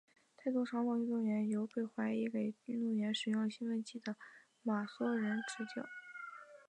大多长跑运动员由被怀疑给运动员使用兴奋剂的马俊仁执教。